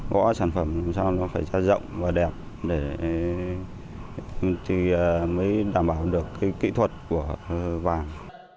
gõ sản phẩm làm sao nó phải ra rộng và đẹp để đảm bảo được kỹ thuật của vàng